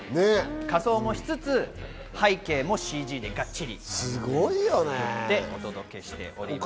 仮装もしつつ背景もＣＧでがっちりお届けしています。